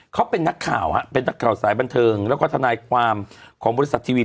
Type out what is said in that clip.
เขาเป็นนักข่าวฮะเป็นนักข่าวสายบันเทิงแล้วก็ทนายความของบริษัททีวี